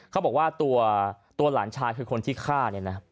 เขาบอกว่าตัวหลานชายคือคนที่ฆ่าเนี่ยนะ